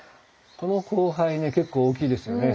この光背ね結構大きいですよね。